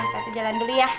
tati jalan dulu ya